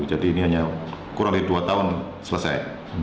jadi ini hanya kurang lebih dua tahun selesai